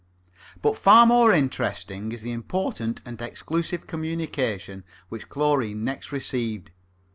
But far more interesting is the important and exclusive communication which Chlorine next received.